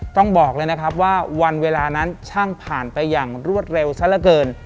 ต้องบอกเลยนะครับว่าวันเวลานั้นช่างผ่านไปอย่างรวดเร็วซะละเกิน